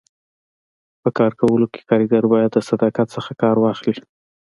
په کار کولو کي کاریګر باید د صداقت څخه کار واخلي.